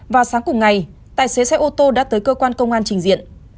vào sáng cùng ngày tài xế xe ô tô đã tới cơ quan công an trình diện